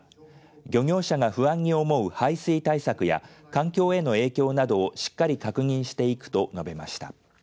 漁業者が不安に思う排水対策や環境への影響などをしっかり確認していくと述べました。